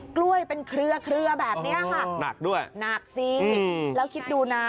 กล้วยเป็นเครือเครือแบบนี้ค่ะหนักด้วยหนักสิแล้วคิดดูนะ